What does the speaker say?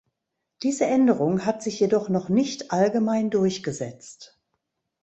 Diese Änderung hat sich jedoch noch nicht allgemein durchgesetzt.